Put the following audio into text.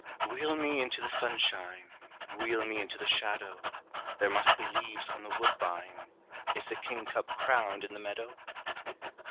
Wheel me into the sunshine, Wheel me into the shadow. There must be leaves on the woodbine, Is the kingcup crowned in the meadow?